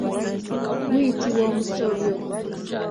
Guyutibwa omusobyo.